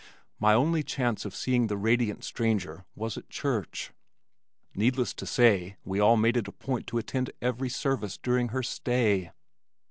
My only chance of seeing the radiant stranger was at church. Needless to say we all made it a point to attend every service during her stay.